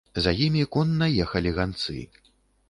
За імі конна ехалі ганцы.